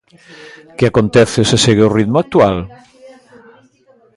Que acontece se segue o ritmo actual?